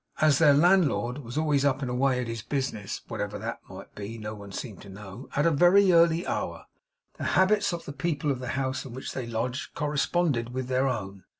As their landlord was always up and away at his business (whatever that might be, no one seemed to know) at a very early hour, the habits of the people of the house in which they lodged corresponded with their own.